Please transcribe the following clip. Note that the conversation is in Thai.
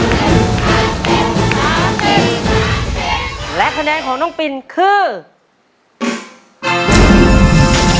ไม่น้อยเลยทีเดียวนะครับยี่สิบเจ็บคะแนนครับ